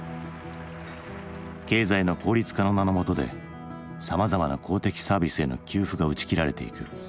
経済の効率化の名のもとでさまざまな公的サービスへの給付が打ち切られていく。